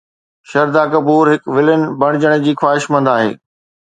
شرڌا ڪپور هڪ ولن بڻجڻ جي خواهشمند آهي